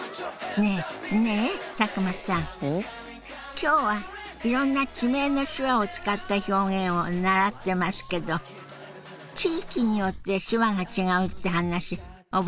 今日はいろんな地名の手話を使った表現を習ってますけど地域によって手話が違うって話覚えてます？